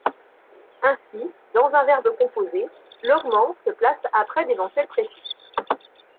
Ainsi, dans un verbe composé, l'augment se place après d'éventuels préfixes.